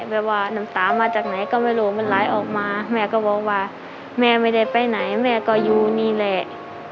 แบบว่าน้ำตามาจากไหนก็ไม่รู้มันไหลออกมาแม่ก็บอกว่าแม่ไม่ได้ไปไหนแม่ก็อยู่นี่แหละ